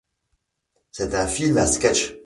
C'est un film à sketches.